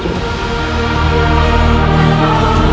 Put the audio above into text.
batin pihak ibu